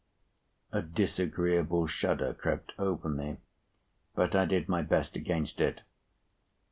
A disagreeable shudder crept over me, but I did my best against it.